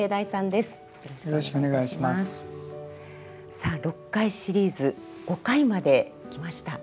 さあ６回シリーズ５回まで来ました。